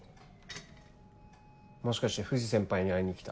もしかして藤先輩に会いに来た？